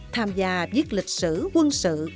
tham gia viết lịch sử quân sự